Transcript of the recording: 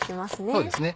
そうですね。